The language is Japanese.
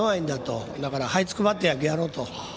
だからはいつくばって野球やろうと。